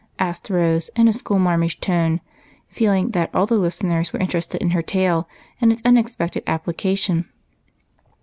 asked Rose, in a school marmish tone, feeling that all the listeners were interested in her tale and its unexpected application.